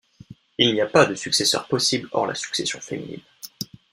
Il n'y a pas de successeur possible hors la succession féminine.